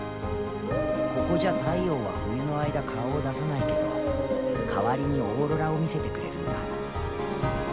ここじゃ太陽は冬の間顔を出さないけど代わりにオーロラを見せてくれるんだ。